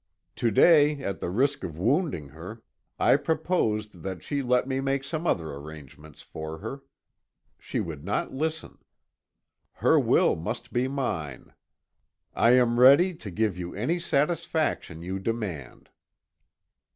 To day, at the risk of wounding her, I proposed that she let me make some other arrangement for her. She would not listen. Her will must be mine. I am ready to give you any satisfaction you demand."